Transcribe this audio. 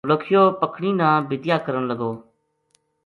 نولکھیو پکھنی نا بِدیا کرن لگو